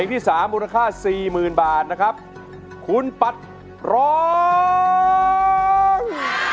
ที่สามมูลค่าสี่หมื่นบาทนะครับคุณปัดร้อง